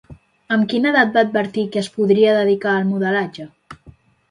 Amb quina edat va advertir que es podria dedicar al modelatge?